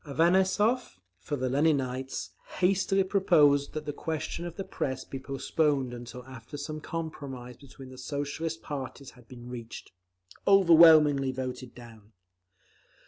Avanessov, for the Leninites, hastily proposed that the question of the Press be postponed until after some compromise between the Socialist parties had been reached. Overwhelmingly voted down.